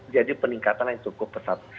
jadi peningkatan yang cukup pesat